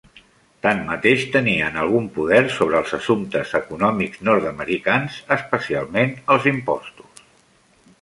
Tanmateix, tenien algun poder sobre els assumptes econòmics nord-americans, especialment els impostos.